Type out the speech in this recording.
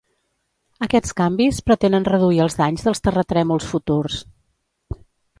Aquests canvis pretenen reduir els danys dels terratrèmols futurs.